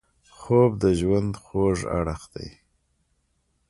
خوب د ژوند خوږ اړخ دی